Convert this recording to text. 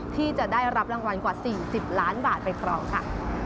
ที่จะได้รับรางวัลกว่า๔๐ล้านบาทไปครองค่ะ